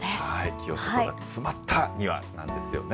清里が詰まった庭なんですよね。